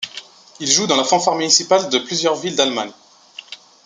Il joue dans la fanfare municipale de plusieurs villes d'Allemagne.